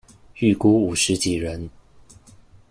預估五十幾人